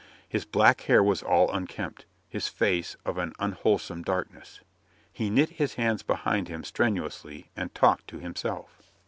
His black hair was all unkempt, his face of an unwholesome darkness. He knit his hands behind him strenuously and talked to himself.